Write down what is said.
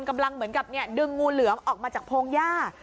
กำลังเหมือนกับเนี้ยดึงมูเหลือมออกมาจากพงย่า